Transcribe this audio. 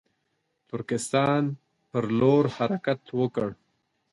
ترکستان پر لور حرکت وکړ.